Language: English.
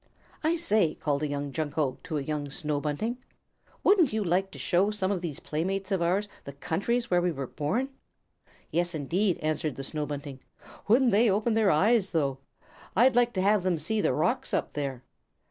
"I say," called a young Junco to a young Snow Bunting, "wouldn't you like to show some of these playmates of ours the countries where we were born?" "Yes indeed," answered the Snow Bunting. "Wouldn't they open their eyes, though? I'd like to have them see the rocks up there."